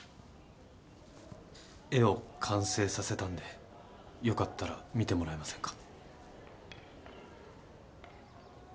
絵を完成させたんでよかったら見てもらえませんか。